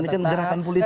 ini kan gerakan politik